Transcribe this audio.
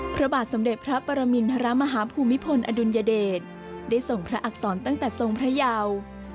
พระบาทสมเด็จพระปรมินทรมาฮาภูมิพลอดุลยเดชได้ส่งพระอักษรตั้งแต่ทรงพระยาว